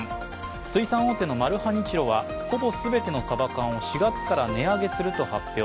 水産大手のマルハニチロはほぼ全てのさば缶を４月から値上げすると発表。